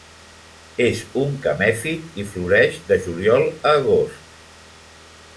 És un camèfit i floreix de juliola a agost.